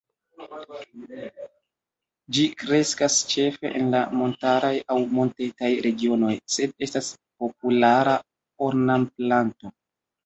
Ĝi kreskas ĉefe en la montaraj aŭ montetaj regionoj, sed estas populara ornamplanto.